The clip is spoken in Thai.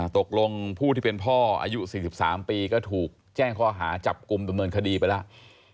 ตกลงผู้ที่เป็นพ่ออายุ๔๓ปีก็ถูกแจ้งข้อหาจับกลุ่มดำเนินคดีไปแล้ว